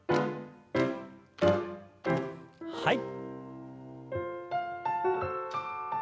はい。